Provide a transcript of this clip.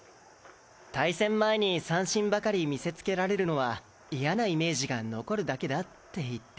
対戦前に三振ばかり見せつけられるのは嫌なイメージが残るだけだって言って。